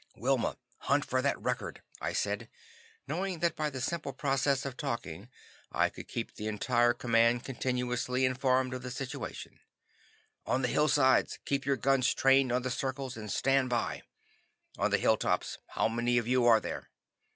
"Wilma, hunt for that record," I said, knowing that by the simple process of talking I could keep the entire command continuously informed as to the situation. "On the hillsides, keep your guns trained on the circles and stand by. On the hilltops, how many of you are there?